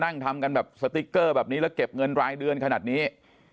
นั่งทำกันแบบสติ๊กเกอร์แบบนี้แล้วเก็บเงินรายเดือนขนาดนี้